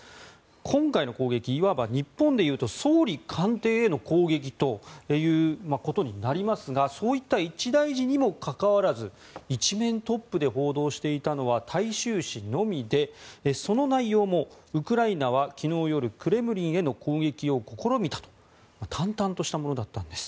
今回の攻撃、いわば日本でいうと総理官邸への攻撃ということになりますがそういった一大事にもかかわらず１面トップで報道していたのは大衆紙のみで、その内容もウクライナは昨日夜クレムリンへの攻撃を試みたと淡々としたものだったんです。